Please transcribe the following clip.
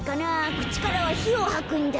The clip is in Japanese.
くちからはひをはくんだ。